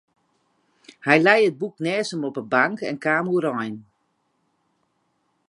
Hy lei it boek neist him op de bank en kaam oerein.